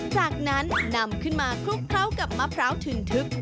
จากนั้นนำขึ้นมาคลุกเคล้ากับมะพร้าวถึงทึบ